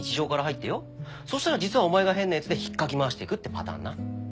そしたら実はお前が変なやつで引っかき回してくってパターンな。